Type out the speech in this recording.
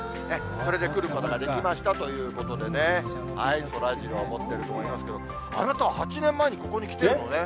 それで来ることができましたということでね、そらジロー持ってる子もいますけど、あなたは８年前にここに来てるのね。